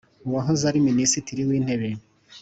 uwahoze ari minisitiri w'intebe,